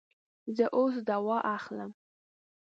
زه اوس دوا اخلم